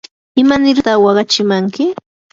¿imanirta waqachimanki?